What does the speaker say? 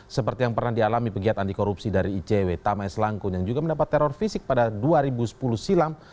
seperti yang pernah dialami pegiat anti korupsi dari icw tama es langkun yang juga mendapat teror fisik pada dua ribu sepuluh silam